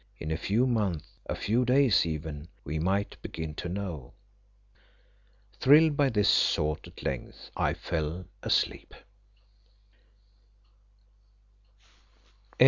In a few months, a few days even, we might begin to know. Thrilled by this thought at length I fell asleep.